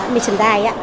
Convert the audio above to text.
mình trở lại